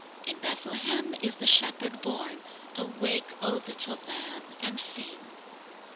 In Bethlehem is the Shepherd born. Awake, O little lamb, and sing!"